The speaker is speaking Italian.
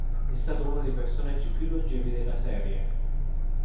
È stato uno dei personaggi più longevi della serie.